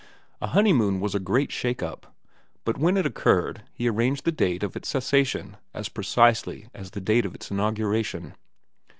A honeymoon was a great shake up, but when it occurred he arranged the date of its cessation as precisely as the date of its inauguration.